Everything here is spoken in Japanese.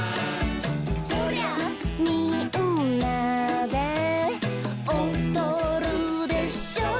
「そりゃみんなでおどるでしょ！」